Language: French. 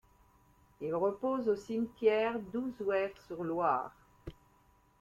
Il repose au cimetière d'Ouzouer-sur-Loire.